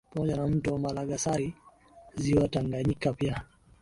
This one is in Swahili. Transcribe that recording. Pamoja na mto Malagarasi Ziwa Tanganyika pia